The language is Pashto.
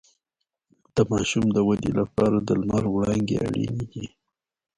د ماشوم د ودې لپاره د لمر وړانګې اړینې دي